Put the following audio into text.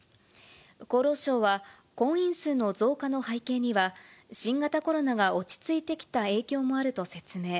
厚労省は、婚姻数の増加の背景には、新型コロナが落ち着いてきた影響もあると説明。